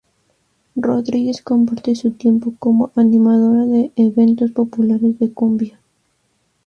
Rodríguez comparte su tiempo como animadora de eventos populares de cumbia.